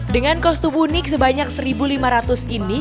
dengan kostum unik sebanyak satu lima ratus ini